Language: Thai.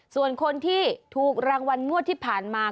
ส่วนคนที่ถูกรางวัลงวดที่ผ่านมา